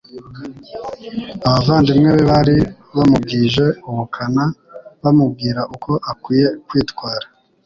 Abavandimwe be bari bamubwije ubukana bamubwira uko akwiye kwitwara.